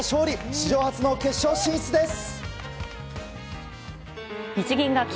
史上初の決勝進出です。